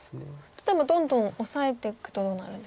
例えばどんどんオサえていくとどうなるんですか？